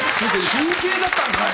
中継だったんかい。